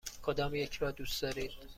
کدامیک را دوست دارید؟